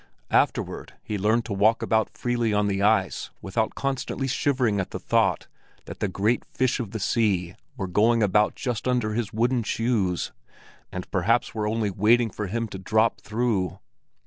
Afterward he learned to walk about freely on the ice without constantly shivering at the thought that the great fish of the sea were going about just under his wooden shoes, and perhaps were only waiting for him to drop through.